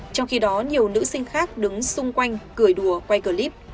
trong khi đó nhiều nữ sinh khác đứng xung quanh cửa đùa quay clip